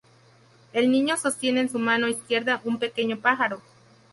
El Niño sostiene en su mano izquierda un pequeño pájaro.